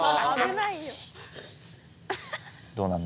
「どうなるの？」